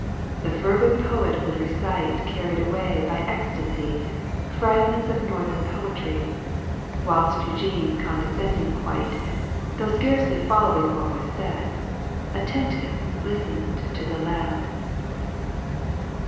The fervid poet would recite. Carried away by ecstasy, ^ Fragments of northern poetry, WMlst Eugene condescending quite, Though scarcely following what was said. Attentive listened to the lad.